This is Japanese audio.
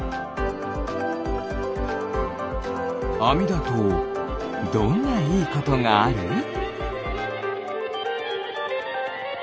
あみだとどんないいことがある？